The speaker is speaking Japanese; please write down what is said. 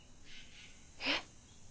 えっ！